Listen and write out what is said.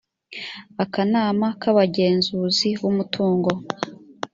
akanama k abagenzuzi b umutungo